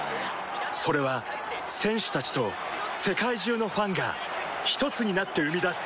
それは選手たちと世界中のファンがひとつになって生み出す